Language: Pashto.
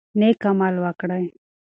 نیک عمل وکړئ.